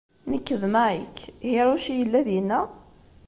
Nekk d Mike. Hiroshi yella dinna?